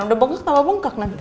udah bengkak tambah bengkak nanti